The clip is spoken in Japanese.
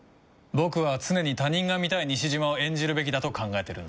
僕は常に他人が見たい西島を演じるべきだと考えてるんだ。